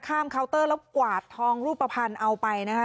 เคาน์เตอร์แล้วกวาดทองรูปภัณฑ์เอาไปนะคะ